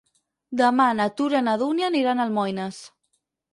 Demà na Tura i na Dúnia iran a Almoines.